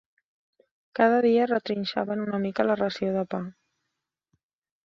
Cada dia retrinxaven una mica la ració de pa.